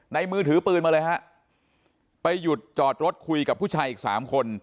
มือถือปืนมาเลยฮะไปหยุดจอดรถคุยกับผู้ชายอีกสามคน